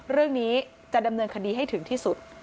เรื่องนี้จะดำเนินคดีให้ถึงที่สุด